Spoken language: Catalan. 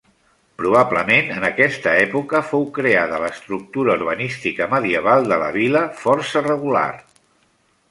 Probablement en aquesta època fou creada l'estructura urbanística medieval de la vila, força regular.